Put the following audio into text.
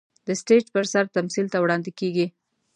د سټېج پر سر تمثيل ته وړاندې کېږي.